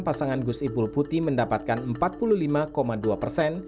pasangan gus ipul putih mendapatkan empat puluh lima dua persen